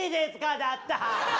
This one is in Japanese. だった。